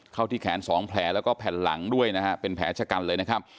ที่แขนสองแผลแล้วก็แผ่นหลังด้วยนะฮะเป็นแผลชะกันเลยนะครับ